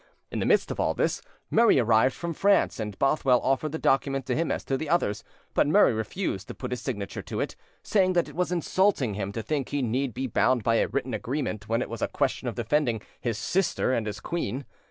In the midst of all this, Murray arrived from France, and Bothwell offered the document to him as to the others; but Murray refused to put his signature to it, saying that it was insulting him to think he need be bound by a written agreement when it was a question of defending his sister and his queen.